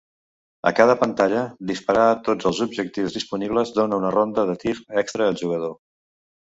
A cada pantalla, disparar a tots els objectius disponibles dóna una ronda de tir extra al jugador.